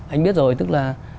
anh biết rồi tức là